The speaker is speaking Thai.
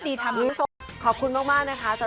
มาอำนวยโอยคอนให้พลังเราอะไรอย่างนี้ค่ะ